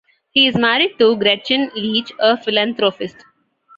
He is married to Gretchen Leach, a philanthropist.